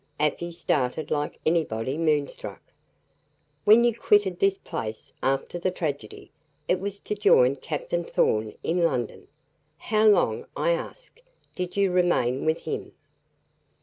Afy started like anybody moonstruck. "When you quitted this place, after the tragedy, it was to join Captain Thorn in London. How long, I ask, did you remain with him?"